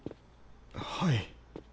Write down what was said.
はい。